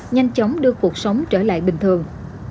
nhanh chóng đưa cuộc sống trở lại bình thường